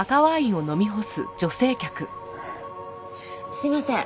すいません。